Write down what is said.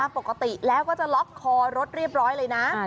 ปกติแล้วก็จะล็อกคอรถเรียบร้อยเลยนะ